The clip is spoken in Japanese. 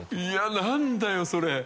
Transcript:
何だよ、それ。